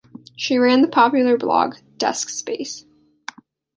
She ran the popular blog, Desk Space.